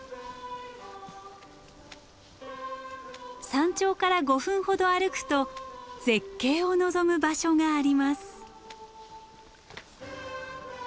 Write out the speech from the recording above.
山頂から５分ほど歩くと絶景を望む場所があります。